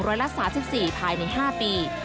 ละ๓๔ภายใน๕ปี